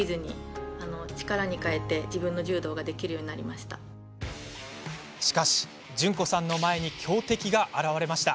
しかし、順子さんの前に強敵が現れました。